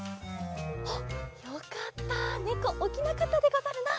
おっよかったねこおきなかったでござるな。